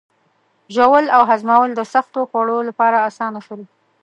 ژوول او هضمول د سختو خوړو لپاره آسانه شول.